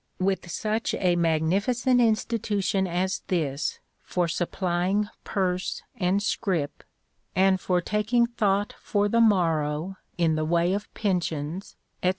With such a magnificent institution as this for supplying 'purse' and 'scrip,' and for 'taking thought for the morrow' in the way of pensions, &c.